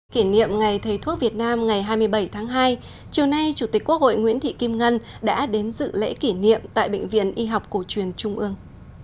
kỷ niệm ngày thầy thuốc việt nam ngày hai mươi bảy tháng hai chiều nay chủ tịch quốc hội nguyễn thị kim ngân đã đến dự lễ kỷ niệm tại bệnh viện y học cổ truyền trung ương